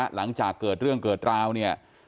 หลังจากเกิดเรื่องเกิดราวเนี่ย